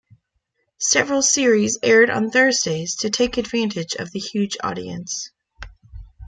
Several series aired on Thursdays to take advantage of the huge audience.